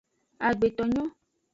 Agbetonyo.